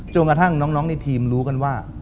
จนกระทั่งน้องในทีมรู้กันว่า